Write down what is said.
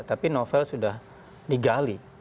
tapi novel sudah digali